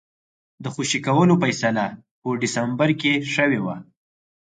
د خوشي کولو فیصله په ډسمبر کې شوې وه.